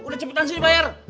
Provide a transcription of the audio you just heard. udah cepetan sih dibayar